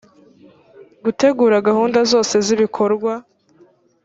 gutegura gahunda zose z’ibikorwa